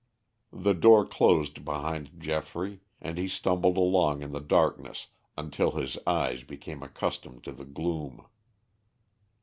The door closed behind Geoffrey, and he stumbled along in the darkness until his eyes became accustomed to the gloom.